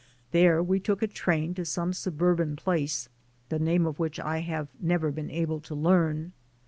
There we took a train to some suburban place, the name of which I have never been able to learn.